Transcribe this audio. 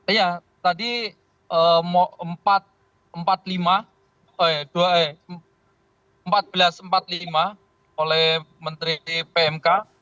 iya tadi empat belas empat puluh lima oleh menteri pmk